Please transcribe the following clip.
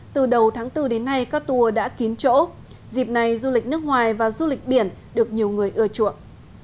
từ đầu tháng bốn đến nay các tour đã kín chỗ dịp này du lịch nước ngoài và du lịch biển được nhiều người ưa chuộng